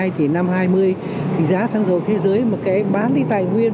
thì năm hai nghìn hai mươi thì giá xăng dầu thế giới một cái bán đi tài nguyên